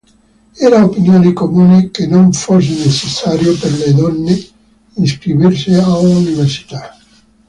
Era opinione comune che non fosse necessario per le donne iscriversi all'università.